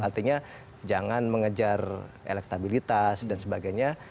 artinya jangan mengejar elektabilitas dan sebagainya